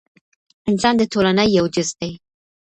انسان د ټولني یو جز دی.